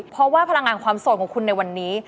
เพราะว่าพลังงานความโสดของคุณในวันนี้